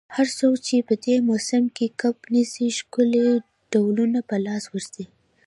هر څوک چي په دې موسم کي کب نیسي، ښکلي ډولونه په لاس ورځي.